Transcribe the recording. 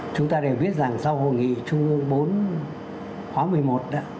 chúng ta đều biết rằng sau hội nghị trung ương bốn khóa một mươi một đó